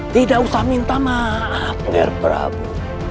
tidak usah minta maaf biar prabu